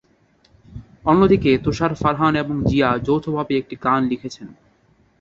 অন্যদিকে তুষার, ফারহান এবং জিয়া যৌথভাবে একটি গান লিখেছেন।